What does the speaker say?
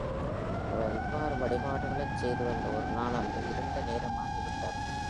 அவர், இவ்வாறு வழிபாடுகளைச் செய்து வந்த ஒரு நாளன்று இருண்ட நேரமாகி விட்டது.